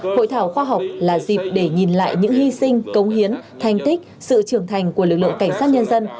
hội thảo khoa học là dịp để nhìn lại những hy sinh công hiến thành tích sự trưởng thành của lực lượng cảnh sát nhân dân